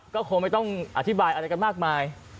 ก็คงไม่ต้องอธิบายอะไรกันมากมาย